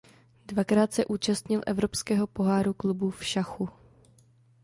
Dvakrát se účastnil Evropského poháru klubů v šachu.